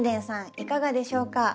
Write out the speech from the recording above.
いかがでしょうか？